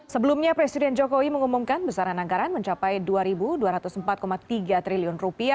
sebelumnya presiden jokowi mengumumkan besaran anggaran mencapai rp dua dua ratus empat tiga triliun